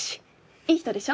いい人でしょ。